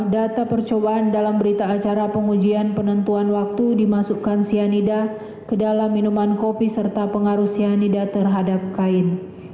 data percobaan dalam berita acara pengujian penentuan waktu dimasukkan cyanida ke dalam minuman kopi serta pengaruh cyanida terhadap kain